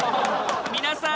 皆さん！